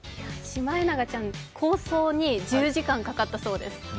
シマエナガちゃん、構想に１０時間かかったそうです。